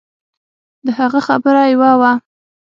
د هغه خبره يوه وه.